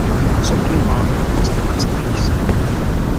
Some view "Margaret" as a masterpiece.